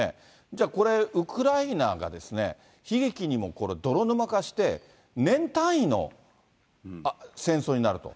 じゃあこれ、ウクライナが悲劇にも、これ泥沼化して、年単位の戦争になると。